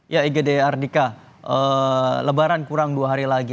ya igd ardika lebaran kurang dua hari lagi